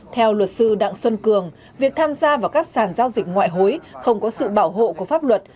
theo luật sư đặng xuân cường việc tham gia vào các sàn giao dịch ngoại hối không có sự bảo hộ của pháp luật